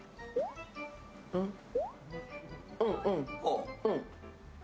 うんうん、うん。